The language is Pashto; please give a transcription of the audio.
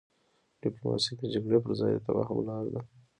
ډيپلوماسي د جګړي پر ځای د تفاهم لار ده.